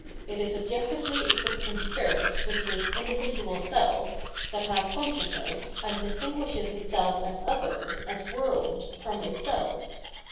It is objectively existent spirit which is individual self, that has con sciousness and distinguishes itself as other, as world, from itself.